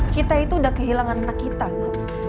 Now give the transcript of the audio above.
kita itu udah kehilangan anak kita mbak